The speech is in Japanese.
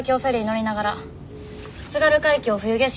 乗りながら「津軽海峡冬景色」